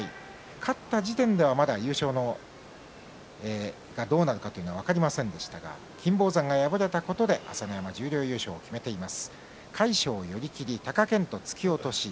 勝った時点では優勝がどうなるか分かりませんでしたが金峰山が敗れたことで朝乃山十両優勝を決めています。